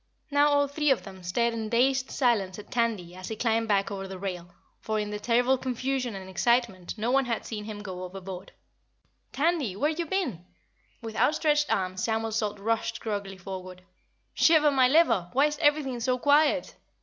Now all three of them stared in dazed silence at Tandy as he climbed back over the rail, for in the terrible confusion and excitement no one had seen him go overboard. "Tandy! Tandy! Where've you been?" With outstretched arms Samuel Salt rushed groggily forward. "Shiver my liver! Why's everything so quiet?